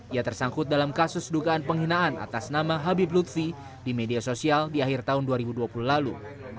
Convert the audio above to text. ia tersangkut dalam kasus dugaan penghinaan atas nama habib lutfi di media sosial di akhir tahun dua ribu dua puluh lalu